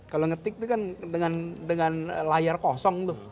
kalau ngetik itu kan dengan layar kosong tuh